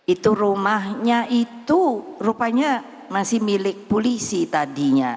itu rumahnya itu rupanya masih milik polisi tadinya